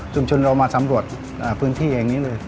จุมชนเรามาสำรวจพื้นที่อย่างนี้เลย